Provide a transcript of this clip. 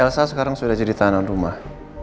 elsa sekarang sudah jadi tahanan rumah